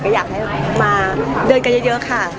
ก็อยากให้มาเดินกันเยอะค่ะ